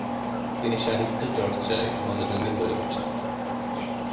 তিনি সাহিত্যচর্চায় মনোযোগী হয়ে ওঠেন।